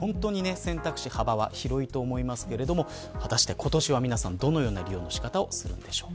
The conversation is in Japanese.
選択肢、幅は広いと思いますが今年は皆さんどのような利用の仕方をするんでしょうか。